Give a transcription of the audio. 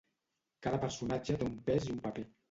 Cada personatge té un pes i un paper.